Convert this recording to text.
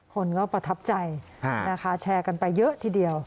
คนก็ประทับใจนะคะแชร์กันไปเยอะทีเดียว